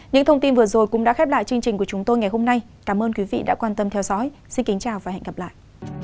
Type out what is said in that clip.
những thông tin vừa rồi cũng đã khép lại chương trình của chúng tôi ngày hôm nay cảm ơn quý vị đã quan tâm theo dõi xin kính chào và hẹn gặp lại